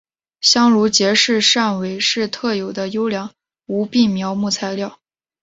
香炉桔是汕尾市特有的优良无病苗木材料。